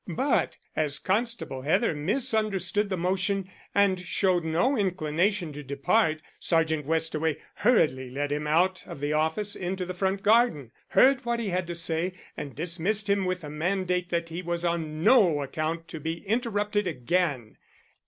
But as Constable Heather misunderstood the motion and showed no inclination to depart, Sergeant Westaway hurriedly led him out of the office into the front garden, heard what he had to say, and dismissed him with the mandate that he was on no account to be interrupted again.